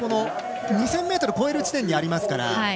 ２０００ｍを超えるところにありますから。